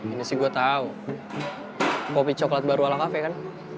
ini sih gue tahu kopi coklat baru ala kafe kan